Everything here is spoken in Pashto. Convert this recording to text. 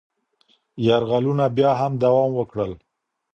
یرغلونه بیا هم دوام وکړل.